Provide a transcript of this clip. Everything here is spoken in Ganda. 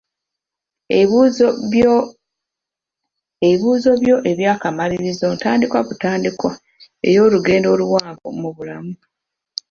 Ebibuuzo byo eby'akamalirizo ntandikwa butandikwa ey'olugendo oluwanvu mu bulamu.